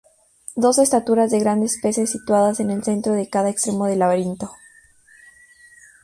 Dos estatuas de grandes peces situadas en el centro de cada extremo del laberinto.